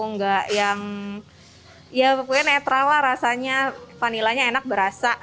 enggak yang ya pokoknya netral lah rasanya vanilanya enak berasa